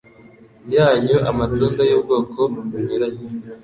yanyu amatunda y’ubwoko bunyuranye,